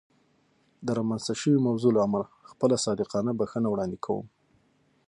د رامنځته شوې موضوع له امله خپله صادقانه بښنه وړاندې کوم.